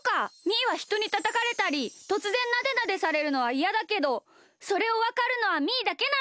みーはひとにたたかれたりとつぜんなでなでされるのはいやだけどそれをわかるのはみーだけなのか！